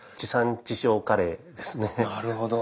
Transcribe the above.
なるほど。